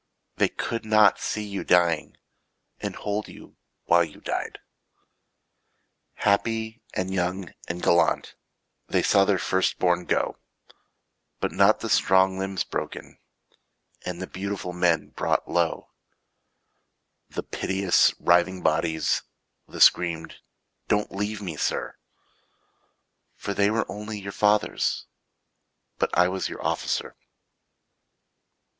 They could not see you dying. And hold you while you died. Happy and young and gallant, They saw their first bom go, 41 But not the strong limbs broken And the beautiful men brought low, The piteous writhing bodies, The screamed, " Don't leave me, Sir," For they were only your fathers But I was your officer.